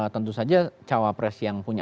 tentu saja cawapres yang punya